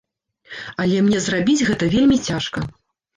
Але мне зрабіць гэта вельмі цяжка.